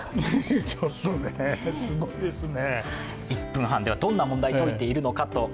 ちょっとね、すごいですね。